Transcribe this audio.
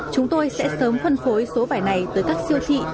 chúng tôi sẽ sớm phân phối số vải này tới các siêu thị